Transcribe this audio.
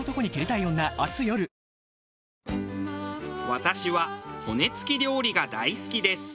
私は骨付き料理が大好きです。